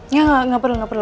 nggak nggak perlu